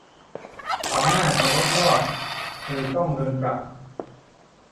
เขาน่าจะลดรอบ เลยต้องเดินกลับ